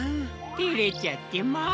てれちゃってまあ。